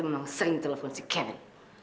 memang sering telepon si kevin